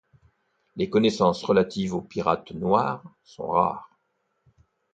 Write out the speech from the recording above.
Les connaissances relatives aux pirates noirs sont rares.